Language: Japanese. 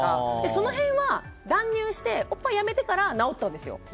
その辺は、断乳しておっぱいをやめてから治ったんですよ。